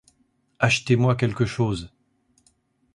Achetez-moi quelque chose.